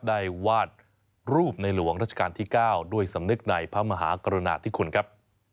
ได้วาดรูปในหลวงราชการที่๙ด้วยสำนึกในพระมหากรุณาธิคุณครับ